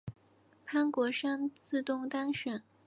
潘国山自动当选。